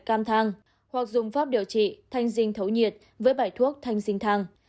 cam thang hoặc dùng pháp điều trị thanh dinh thấu nhiệt với bải thuốc thanh sinh thang